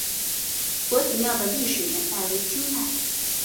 佛子庙的历史年代为清代。